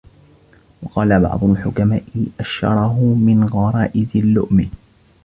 وَقَالَ بَعْضُ الْحُكَمَاءِ الشَّرَهُ مِنْ غَرَائِزِ اللُّؤْمِ